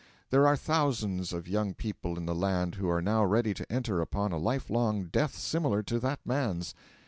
There are thousand of young people in the land who are now ready to enter upon a life long death similar to that man's.